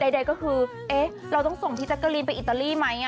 ใดก็คือเอ๊ะเราต้องส่งพี่แจ๊กกะลีนไปอิตาลีไหม